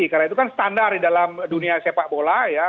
karena itu kan standar di dalam dunia sepak bola